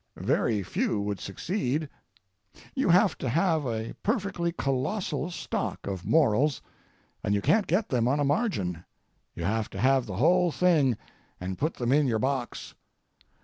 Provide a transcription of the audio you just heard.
Very few would succeed: you have to have a perfectly colossal stock of morals; and you can't get them on a margin; you have to have the whole thing, and put them in your box.